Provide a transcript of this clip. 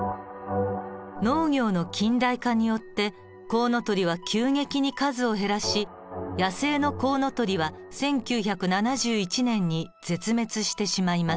農業の近代化によってコウノトリは急激に数を減らし野生のコウノトリは１９７１年に絶滅してしまいます。